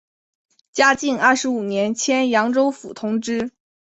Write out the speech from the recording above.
嘉靖二十五年迁扬州府同知。